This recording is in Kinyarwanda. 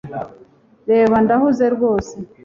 Reba ndahuze rwose